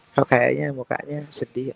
kalau kayaknya mukanya sedih